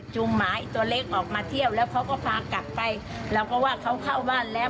หมาอีกตัวเล็กออกมาเที่ยวแล้วเขาก็พากลับไปเราก็ว่าเขาเข้าบ้านแล้ว